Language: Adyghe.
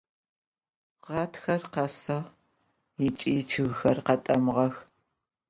Ğatxer khesığ, ıç'i ççıgxer khet'emığex.